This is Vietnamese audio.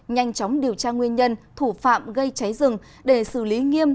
nhanh chóng điều tra nguyên nhân thủ phạm gây cháy rừng để xử lý nghiêm